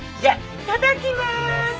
いただきます。